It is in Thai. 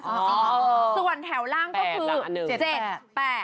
ส่วนแถวล่างก็คือ๗๘